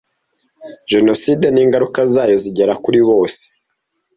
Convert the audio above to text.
Jenoside n ingaruka zayo zigera kuri bose